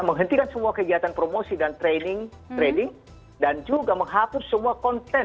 menghentikan semua kegiatan promosi dan training training dan juga menghapus semua konten